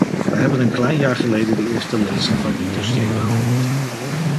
Wij hebben een klein jaar geleden de eerste lezing van dit dossier behandeld.